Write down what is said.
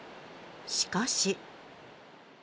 しかし。